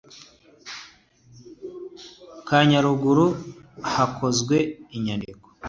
Ka nyaruguru hakozwe inyandiko